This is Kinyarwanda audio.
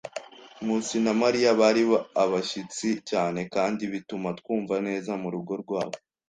Nkusi na Mariya bari abashyitsi cyane kandi bituma twumva neza murugo rwabo.